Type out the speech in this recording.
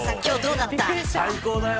最高だよ。